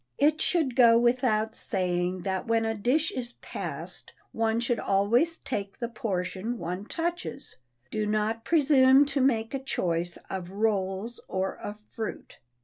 It should go without saying that when a dish is passed, one should always take the portion one touches; do not presume to make a choice of rolls or of fruit.